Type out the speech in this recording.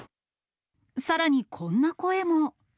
さらにこんな声も。